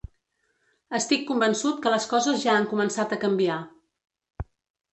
Estic convençut que les coses ja han començat a canviar.